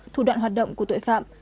thủ đoạn hoạt động của tội phạm